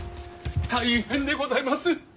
大変でございます！